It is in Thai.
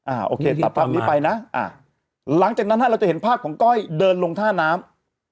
โอเคตัดภาพนี้ไปนะหลังจากนั้นฮะเราจะเห็นภาพของก้อยเดินลงท่าน้ำ